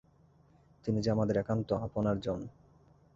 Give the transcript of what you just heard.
তিনি যে আমাদের একান্ত আপনার জন।